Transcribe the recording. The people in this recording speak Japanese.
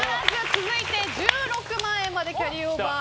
続いて１６万円までキャリーオーバー。